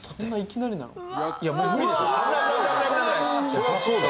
そりゃそうだ。